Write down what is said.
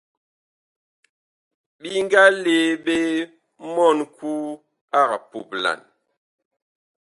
Bi nga lee ɓe mɔɔn Kuu ag puplan.